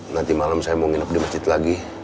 nanti malam saya mau nginep di masjid lagi